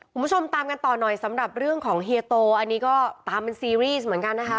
คุณผู้ชมตามกันต่อหน่อยสำหรับเรื่องของเฮียโตอันนี้ก็ตามเป็นซีรีส์เหมือนกันนะคะ